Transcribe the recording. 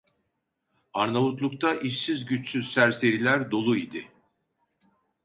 Arnavutluk’ta işsiz güçsüz serseriler dolu idi.